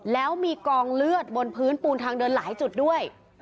แล้วมีกองเลือดบนพื้นปูนทางเดินหลายจุดด้วย